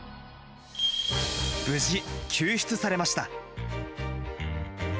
無事、救出されました。